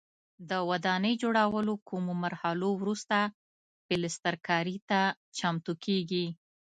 د ودانۍ جوړولو کومو مرحلو وروسته پلسترکاري ته چمتو کېږي.